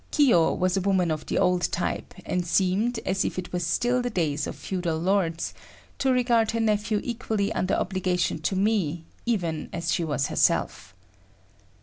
Kiyo was a woman of the old type, and seemed, as if it was still the days of Feudal Lords, to regard her nephew equally under obligation to me even as she was herself.